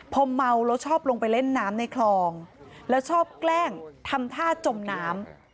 พอเมาแล้วชอบลงไปเล่นน้ำในคลองแล้วชอบแกล้งทำท่าจมน้ำ